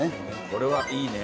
これはいいね。